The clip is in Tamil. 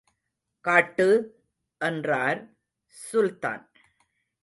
காட்டு! என்றார் சுல்தான்.